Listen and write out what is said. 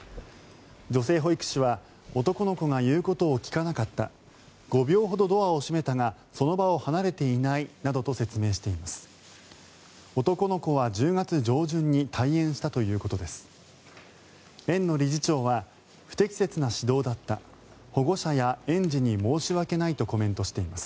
女性保育士は男の子が言うことを聞かなかった５秒ほどドアを閉めたがその場を離れていないなどと説明しています。